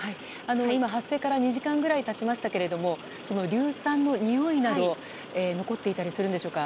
今、発生から２時間くらい経ちましたけれども硫酸のにおいなど残っていたりするんでしょうか。